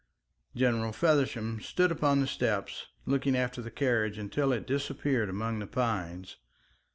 General Feversham stood upon the steps looking after the carriage until it disappeared among the pines.